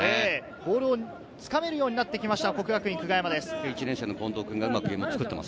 ボールをつかめるようになってきました、國學院久我山です。